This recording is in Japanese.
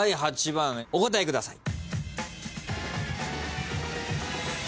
８番お答えください。